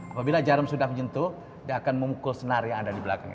apabila jaram sudah menyentuh dia akan memukul senar yang ada di belakangnya